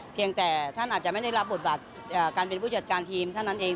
เพียงแต่ท่านอาจจะไม่ได้รับบทบาทการเป็นผู้จัดการทีมเท่านั้นเอง